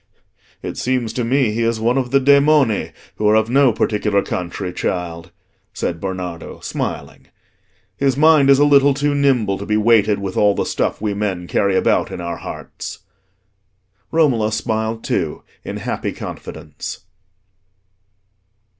"It seems to me he is one of the demoni, who are of no particular country, child," said Bernardo, smiling. "His mind is a little too nimble to be weighted with all the stuff we men carry about in our hearts." Romola smiled too, in happy confidence.